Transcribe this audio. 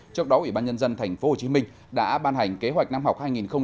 trước đó ubnd tp hcm đã ban hành kế hoạch năm học hai nghìn hai mươi hai nghìn hai mươi một